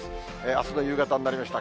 あすの夕方になりました。